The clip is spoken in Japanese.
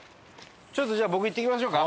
じゃあ僕行ってきましょうか。